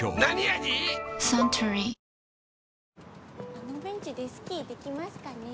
あのベンチでスキーできますかね。